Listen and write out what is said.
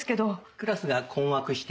クラスが困惑していたり？